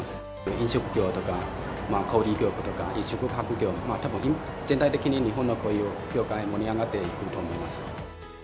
飲食業とか小売り業とか宿泊業のたぶん全体的に、日本のこういう業界も盛り上がっていくと思います。